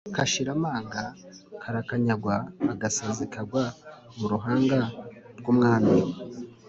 kashira amanga karakanyagwa-agasazi kagwa mu ruhanga rw'umwami.